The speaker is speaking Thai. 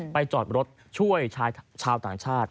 จอดรถช่วยชายชาวต่างชาติ